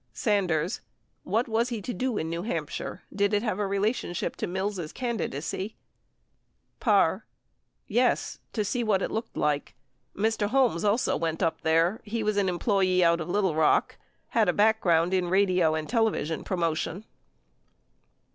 Sanders. What was he to do in New Hampshire ?... Did it have relationship to Mills' candidacy ? Parr. Yes; to see what it looked like ... Mr. Holmes also went up there. ... He was an employee out of Little Rock ... had a background in radio and television promotion.